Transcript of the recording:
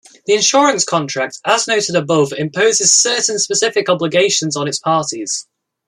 The insurance contract, as noted above, imposes certain specific obligations on its parties.